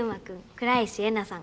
倉石えなさん